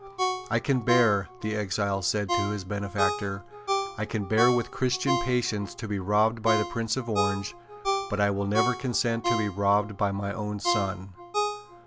"I can bear," the exile said to his benefactor, "I can bear with Christian patience to be robbed by the Prince of Orange; but I never will consent to be robbed by my own son."